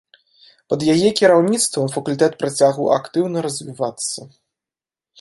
Пад яе кіраўніцтвам факультэт працягваў актыўна развівацца.